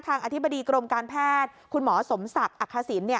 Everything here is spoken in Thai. อธิบดีกรมการแพทย์คุณหมอสมศักดิ์อักษิณ